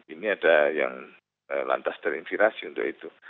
ini ada yang lantas terinspirasi untuk itu